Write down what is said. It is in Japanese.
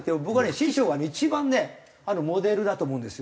師匠はね一番ねモデルだと思うんですよ。